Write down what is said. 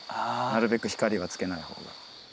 なるべく光はつけない方が。